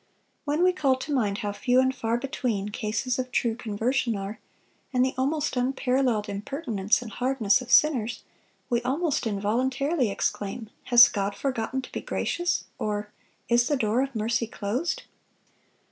When we call to mind how 'few and far between' cases of true conversion are, and the almost unparalleled impertinence and hardness of sinners, we almost involuntarily exclaim, 'Has God forgotten to be gracious? or, Is the door of mercy closed?